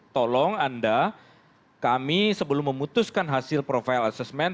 tolong anda kami sebelum memutuskan hasil profile assessment